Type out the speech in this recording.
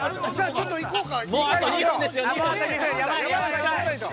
じゃあ、ちょっと行こうか。